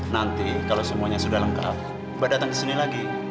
nanti kalau semuanya sudah lengkap sudah datang ke sini lagi